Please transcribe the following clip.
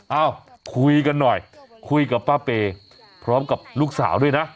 เอ้าคุยกันหน่อยคุยกับป้าเปย์พร้อมกับลูกสาวด้วยนะ